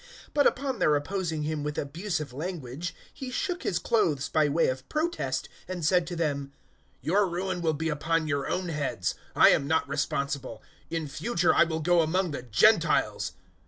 018:006 But upon their opposing him with abusive language, he shook his clothes by way of protest, and said to them, "Your ruin will be upon your own heads. I am not responsible: in future I will go among the Gentiles."